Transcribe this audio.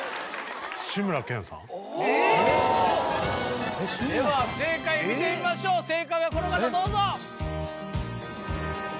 志村けんさんでは正解見てみましょう正解はこの方どうぞ！